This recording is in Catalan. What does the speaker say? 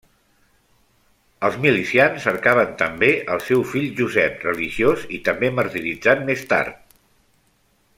Els milicians cercaven també el seu fill Josep, religiós i també martiritzat més tard.